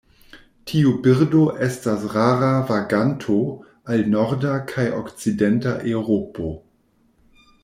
Tiu birdo estas rara vaganto al norda kaj okcidenta Eŭropo.